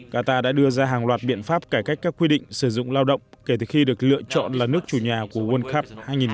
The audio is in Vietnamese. qatar đã đưa ra hàng loạt biện pháp cải cách các quy định sở hữu lao động kể từ khi được lựa chọn là nước chủ nhà của world cup hai nghìn hai mươi hai